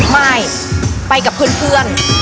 ไม่ไปกับเพื่อน